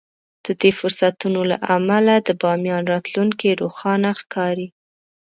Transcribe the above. د دې فرصتونو له امله د باميان راتلونکی روښانه ښکاري.